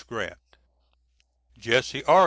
GRANT. JESSE R.